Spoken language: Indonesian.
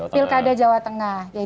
pilkada jawa tengah